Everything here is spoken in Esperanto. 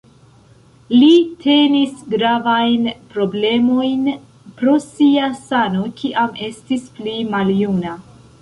Li tenis gravajn problemojn pro sia sano kiam estis pli maljuna.